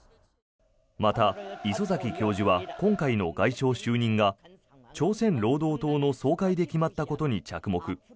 また、礒崎教授は今回の外相就任が朝鮮労働党の総会で決まったことに着目。